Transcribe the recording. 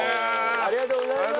ありがとうございます。